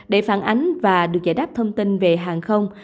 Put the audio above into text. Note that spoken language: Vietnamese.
để phản ánh và được giải đáp các thông tin về đường sắt việt nam